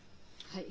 はい。